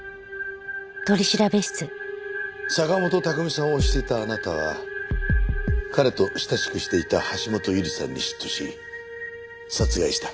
坂元拓海さんを推していたあなたは彼と親しくしていた橋本優里さんに嫉妬し殺害した。